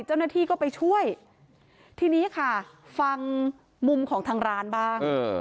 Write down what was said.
เจ้าหน้าที่ก็ไปช่วยทีนี้ค่ะฟังมุมของทางร้านบ้าง